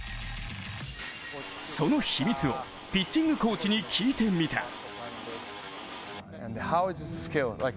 その秘密をピッチングコーチに聞いてみた。